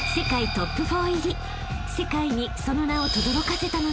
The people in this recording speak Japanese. ［世界にその名をとどろかせたのです］